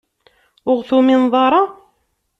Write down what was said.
Ur ɣ-tumineḍ ara?